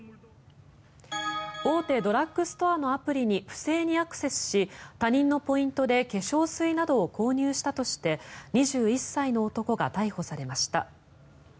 大手ドラッグストアのアプリに不正にアクセスし他人のポイントで化粧水などを購入したとして２１歳の男が逮捕されました。